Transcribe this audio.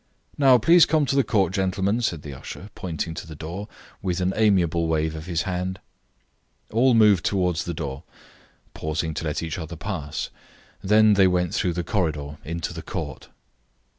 "Now please to come to the court, gentlemen," said the usher, pointing to the door, with an amiable wave of his hand. All moved towards the door, pausing to let each other pass. Then they went through the corridor into the court.